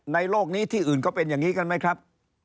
โลกนี้ที่อื่นก็เป็นอย่างนี้กันไหมครับ